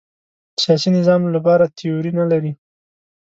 سیاسي نظام لپاره تیوري نه لري